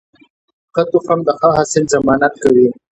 ښه تخم د ښه حاصل ضمانت کوي.